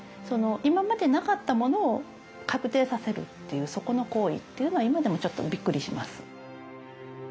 今までなかったものを確定させるっていうそこの行為っていうのは今でもちょっとびっくりします。